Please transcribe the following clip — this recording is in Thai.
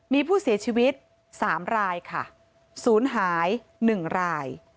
มีผู้เสียชีวิต๓รายค่ะศูนย์หาย๑ราย